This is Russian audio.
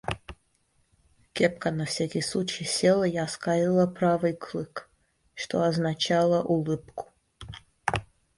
Кепка на всякий случай села и оскалила правый клык, что означало улыбку.